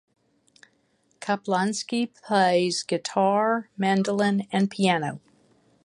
Kaplansky plays guitar, mandolin, and piano.